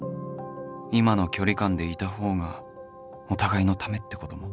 今の距離感でいた方がお互いのためってことも